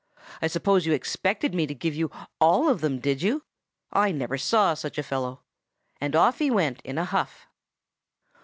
I suppose you expected me to give you all of them, did you? I never saw such a fellow!' and off he went in a huff.